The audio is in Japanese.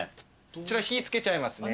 こちら火つけちゃいますね。